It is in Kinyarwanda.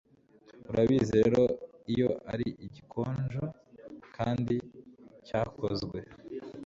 urabizi rero iyo ari igikonjo kandi cyakozwe